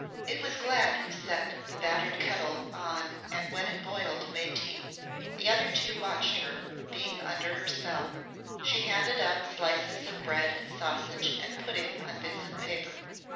It was Glad who set the battered kettle on and when it boiled made tea. The other two watched her, being under her spell. She handed out slices of bread and sausage and pudding on bits of paper.